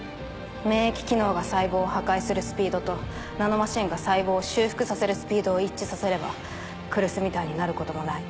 免疫機能が細胞を破壊するスピードとナノマシンが細胞を修復させるスピードを一致させれば来栖みたいになることもない。